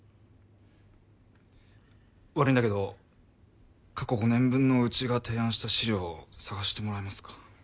悪いんだけど過去５年分のうちが提案した資料を探してもらえますか。